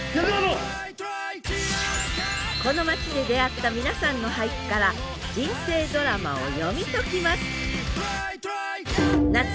この町で出会った皆さんの俳句から人生ドラマを読み解きます